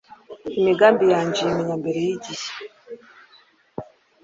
imigambi yanjye uyimenya mbere y’igihe